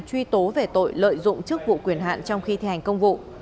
truy tố về tội lợi dụng chức vụ quyền hạn trong khi thi hành công vụ